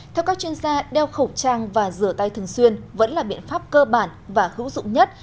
theo các chuyên gia đeo khẩu trang và rửa tay thường xuyên vẫn là biện pháp cơ bản và hữu dụng nhất